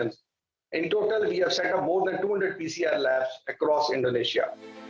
di total kami telah menetapkan lebih dari dua ratus laboratorium pcr di seluruh indonesia